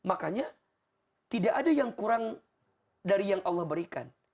makanya tidak ada yang kurang dari yang allah berikan